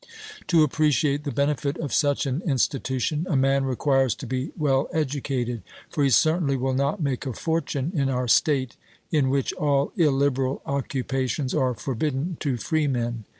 To appreciate the benefit of such an institution a man requires to be well educated; for he certainly will not make a fortune in our state, in which all illiberal occupations are forbidden to freemen.